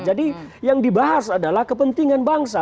jadi yang dibahas adalah kepentingan bangsa